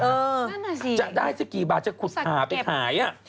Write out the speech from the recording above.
เออนั่นแหละสิสักแก็บจะได้สักกี่บาทจะขุดขาวไปขาย